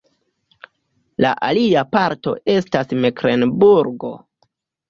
La alia parto estas Meklenburgo.